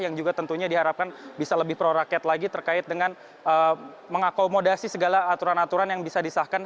yang juga tentunya diharapkan bisa lebih prorakyat lagi terkait dengan mengakomodasi segala aturan aturan yang bisa disahkan